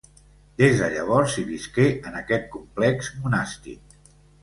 Des de llavors, hi visqué en aquest complex monàstic.